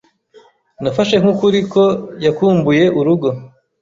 Nafashe nk'ukuri ko yakumbuye urugo.